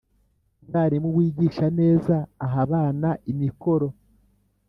Umwarimu wigisha neza aha abana imikoro